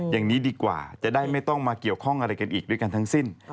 อย่างนี้ดีกว่าจะได้ไม่ต้องมาเกี่ยวข้องอะไรกันอีกด้วยกันทั้งสิ้น